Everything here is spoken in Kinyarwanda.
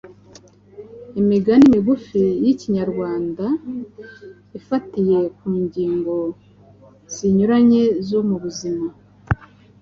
Imigani migufi y’Ikinyarwanda ifatiye ku ngigo zinyuranye zo mu buzima: